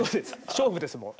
勝負ですもん。